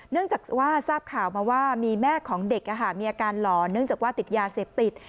เนื่องจากว่าทราบข่าวมาว่ามีแม่ของเด็กมีอาการหลอนเนื่องจากว่าติดยาเสพติด